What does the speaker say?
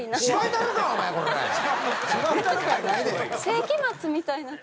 世紀末みたいな車。